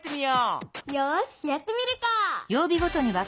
よしやってみるか！